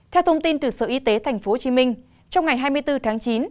theo thông tin từ sở y tế tp hcm trong ngày hai mươi bốn tháng chín